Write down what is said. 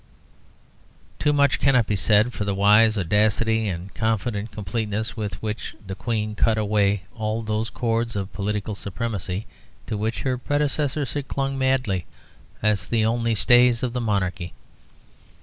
Too much cannot be said for the wise audacity and confident completeness with which the Queen cut away all those cords of political supremacy to which her predecessors had clung madly as the only stays of the monarchy.